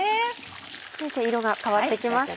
先生色が変わってきました。